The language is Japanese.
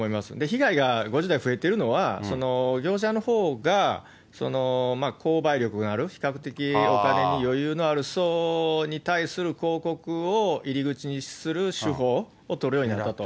被害が５０代増えているのは、業者のほうが、購買力がある、比較的お金に余裕のある層に対する広告を入り口にする手法を取るようになったと。